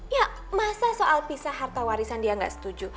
ya masa soal pisah harta warisan dia nggak setuju